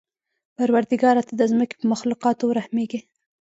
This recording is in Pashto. پروردګاره! ته د ځمکې په مخلوقاتو ورحمېږه.